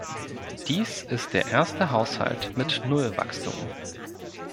Dies ist der erste Haushalt mit Nullwachstum.